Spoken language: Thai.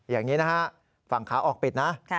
อย่างนี้นะฮะฝั่งขาออกปิดนะ